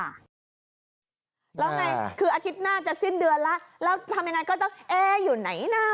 แล้วไงคืออาทิตย์หน้าจะสิ้นเดือนแล้วแล้วทำยังไงก็ต้องเอ๊ะอยู่ไหนนะ